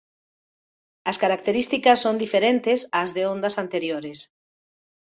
As características son diferentes ás de ondas anteriores.